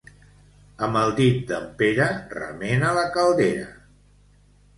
Amb el dit d'en Pere, remena la caldera.